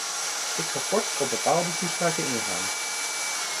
Ik zal kort op bepaalde toespraken ingaan.